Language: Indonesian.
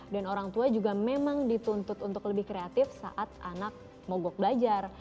dan orang tua juga memang dituntut untuk lebih kreatif saat anak mogok belajar